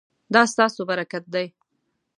دا ستاسو برکت دی